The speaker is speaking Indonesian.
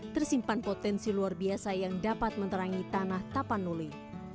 tersimpan potensi luar biasa yang dapat menerangi tanah tapanuli